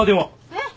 えっ？